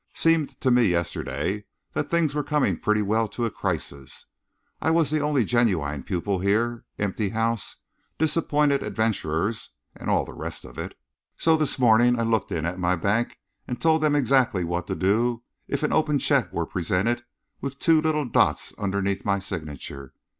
Seemed to me yesterday that things were coming pretty well to a crisis. I was the only genuine pupil here empty house, disappointed adventurers, and all the rest of it. So this morning I looked in at my bank and told them exactly what to do if any open cheque were presented with two little dots underneath my signature.